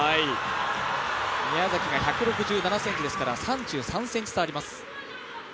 宮崎が１６７ｃｍですから３３ｃｍ差あります。